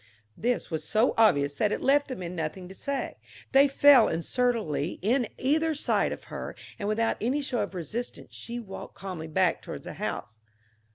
This was so obvious that it left the men nothing to say. They fell in surlily on either side of her, and without any show of resistance she walked calmly back toward the house.